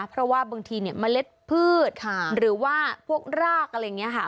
เพราะว่าบางทีเนี่ยเมล็ดพืชหรือว่าพวกรากอะไรอย่างนี้ค่ะ